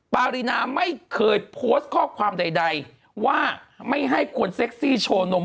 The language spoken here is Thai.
ปารีนาไม่เคยโพสต์ข้อความใดว่าไม่ให้คนเซ็กซี่โชว์นม